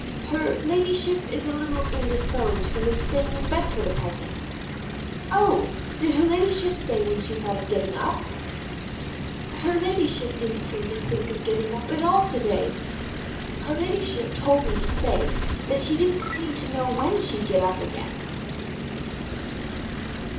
"Her ladyship is a little indisposed, and is staying in bed for the present." "Oh! Did her ladyship say when she thought of getting up?" "Her ladyship didn't seem to think of getting up at all to day. Her ladyship told me to say that she didn't seem to know when she'd get up again."